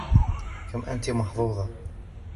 كم أنتِ محظوظة!